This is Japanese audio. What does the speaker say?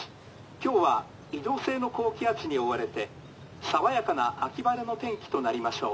今日は移動性の高気圧に覆われて爽やかな秋晴れの天気となりましょう」。